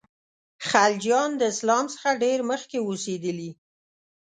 خلجیان د اسلام څخه ډېر مخکي اوسېدلي.